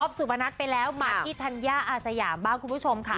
สุพนัทไปแล้วมาที่ธัญญาอาสยามบ้างคุณผู้ชมค่ะ